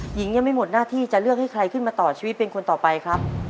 หญิงยังไม่หมดหน้าที่จะเลือกให้ใครขึ้นมาต่อชีวิตเป็นคนต่อไปครับ